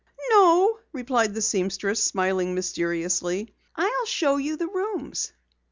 "No," replied the seamstress, smiling mysteriously. "I'll show you the rooms."